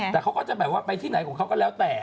แต่เขาก็จะแบบว่าไปที่ไหนของเขาก็แล้วแต่